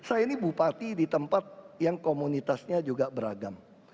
saya ini bupati di tempat yang komunitasnya juga beragam